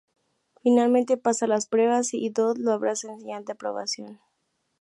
Finalmente pasa las pruebas, y Dodd lo abraza en señal de aprobación.